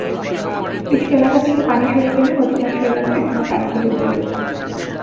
কিছু এলাকা থেকে পানি সরে গেলেও অধিকাংশ এলাকা এখনো পানিতে ডুবে রয়েছে।